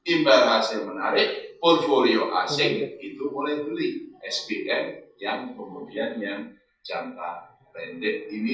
imbal hasil menarik portfolio asing itu mulai beli sdm yang kemudian yang jangka pendek ini